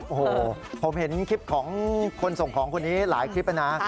โอ้โหผมเห็นคลิปของคนส่งของคนนี้หลายคลิปนะ